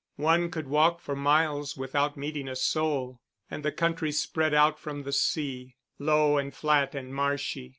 One could walk for miles without meeting a soul, and the country spread out from the sea, low and flat and marshy.